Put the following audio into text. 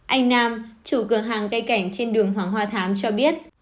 anh nam chủ cửa hàng cây cảnh trên đường hoàng hoa thám cho biết